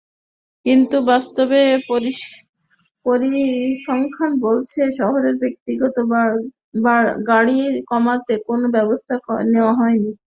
কিন্তু বাস্তবে পরিসংখ্যান বলছে, শহরে ব্যক্তিগত গাড়ি কমাতে কোনো ব্যবস্থা নেওয়া হয়নি।